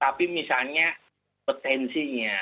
tapi misalnya potensinya